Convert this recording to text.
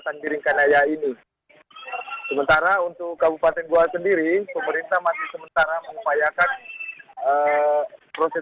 sedikitnya ada delapan ratus kepala keluarga atau hingga dua ribu jiwa yang berada di dalam beberapa perumahan yang ada di sana